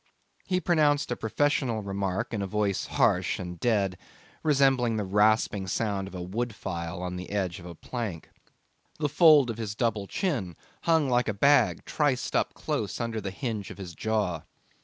He pronounced a professional remark in a voice harsh and dead, resembling the rasping sound of a wood file on the edge of a plank; the fold of his double chin hung like a bag triced up close under the hinge of his jaw.